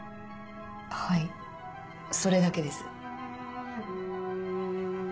はいそれだけです。